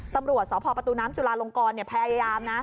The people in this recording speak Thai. ตำรวจสพประตูน้ำจุลาลงกรพยายามนะ